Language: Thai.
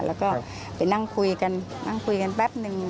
แล้วก็ไปนั่งคุยกันแป๊บหนึ่ง